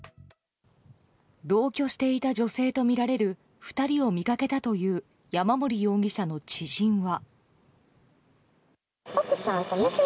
同居していた女性とみられる２人を見かけたという山森容疑者の知人は。